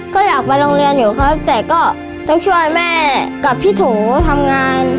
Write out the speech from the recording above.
ก็อยากไปโรงเรียนอยู่ครับแต่ก็ต้องช่วยแม่กับพี่โถทำงาน